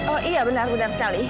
oh iya benar benar sekali